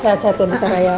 sehat sehat bu sara ya